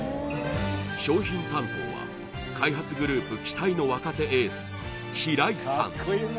商品担当は開発グループ期待の若手エース平井さん